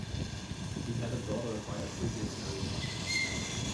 He had a daughter by a previous marriage.